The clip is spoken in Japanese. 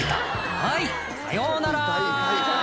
はいさようなら